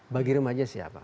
bagi remaja siapa